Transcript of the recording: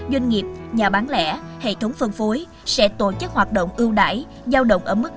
doanh nghiệp nhà bán lẻ hệ thống phân phối sẽ tổ chức hoạt động ưu đải giao động ở mức năm bốn mươi chín